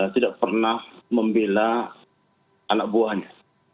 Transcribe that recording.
tidak pernah membela anak buahnya